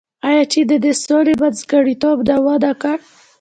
آیا چین د دې سولې منځګړیتوب ونه کړ؟